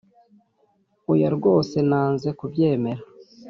oya rwose nanze kubyemera